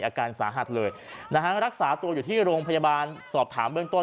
อาการสาหัสเลยนะฮะรักษาตัวอยู่ที่โรงพยาบาลสอบถามเบื้องต้น